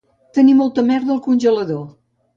Tenir molta merda al congelador